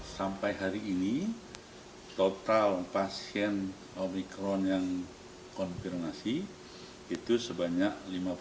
sampai hari ini total pasien omikron yang konfirmasi itu sebanyak lima puluh